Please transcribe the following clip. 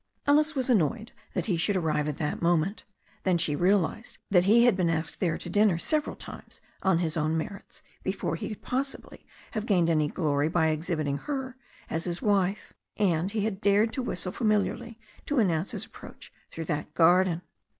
Alice was annoyed that he should arrive at that moment. Then she realized that he had been asked there to dinner several times, on his own merits, before he could possibly have gained any glory by exhibiting her as his wife. And he had dared to whistle familiarly to announce his approach through that garden.